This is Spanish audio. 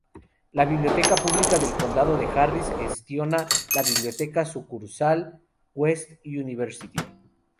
La Biblioteca Pública del Condado de Harris gestiona la Biblioteca Sucursal West University.